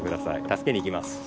助けに行きます。